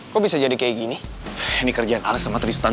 cepet cenderungnya anduin